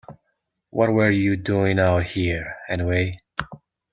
What were you doing out here, anyway?